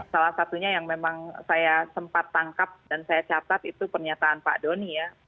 salah satunya yang memang saya sempat tangkap dan saya catat itu pernyataan pak doni ya